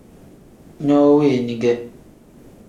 No weni ge.